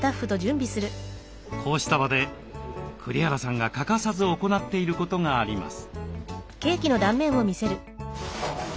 こうした場で栗原さんが欠かさず行っていることがあります。